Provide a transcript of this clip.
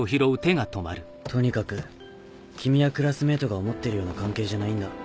とにかく君やクラスメートが思ってるような関係じゃないんだ。